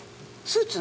スーツ？